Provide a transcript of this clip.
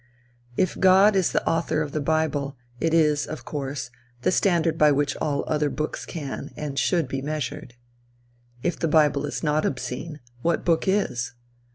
If God is the author of the bible, it is, of course, the standard by which all other books can, and should be measured. If the bible is not obscene, what book is?